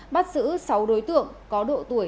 bắt giữ sáu đối tượng có độ tuổi